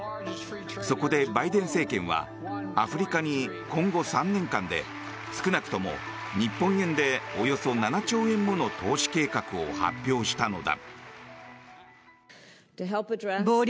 そこでバイデン政権はアフリカに今後３年間で少なくとも日本円でおよそ７兆円もの投資計画を発表したのだ。